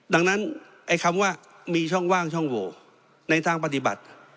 ดังนั้นไอ้คำว่ามีช่องว่างช่องโหวในทางปฏิบัติ